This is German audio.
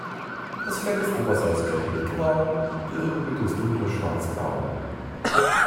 Das Fell ist oberseits gelblich grau, die Rückenmitte ist dunkler schwarz-braun.